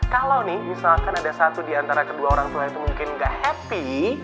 kalo nih misalkan ada satu diantara kedua orang tua itu mungkin gak happy